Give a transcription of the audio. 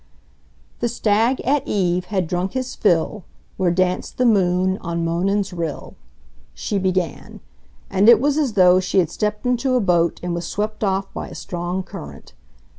The Stag at eve had drunk his fill Where danced the moon on Monan's rill, she began, and it was as though she had stepped into a boat and was swept off by a strong current.